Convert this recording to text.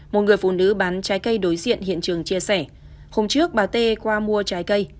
một người phụ nữ bán trái cây đối diện hiện trường chia sẻ hôm trước bà t qua mua trái cây